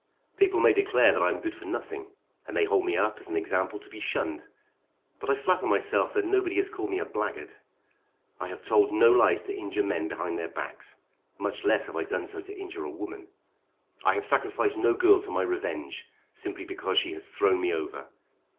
People may declare that I am good for nothing, and may hold me up as an example to be shunned. But I flatter myself that nobody has called me a blackguard. I have told no lies to injure men behind their backs; much less have I done so to injure a woman. I have sacrificed no girl to my revenge, simply because she has thrown me over.